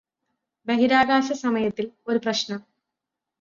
ബഹിരാകാശസമയത്തിൽ ഒരു പ്രശ്നം